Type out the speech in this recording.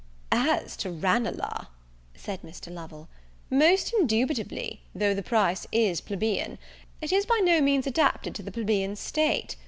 "As to Ranelagh," said Mr. Lovell, "most indubitably, though the price is blebian, it is by no means adapted to the plebian taste.